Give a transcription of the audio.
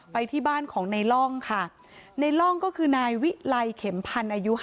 ไปที่บ้านของในร่องค่ะในร่องก็คือนายวิไลเข็มพันธ์อายุ๕๐